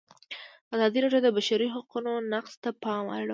ازادي راډیو د د بشري حقونو نقض ته پام اړولی.